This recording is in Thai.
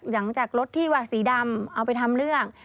หลังจากรถที่ว่าสีดำเอาไปทำเรื่อง